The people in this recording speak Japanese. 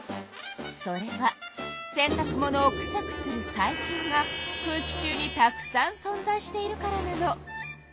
それは洗たく物をくさくする細菌が空気中にたくさんそんざいしているからなの。